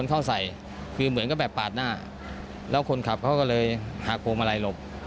เข้าใส่คือเหมือนกับแบบปาดหน้าแล้วคนขับเขาก็เลยหักพวงมาลัยหลบ